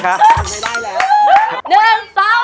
จัดไม่ได้แล้ว